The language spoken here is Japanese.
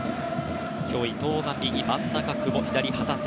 今日、伊東が右、真ん中に久保左に旗手。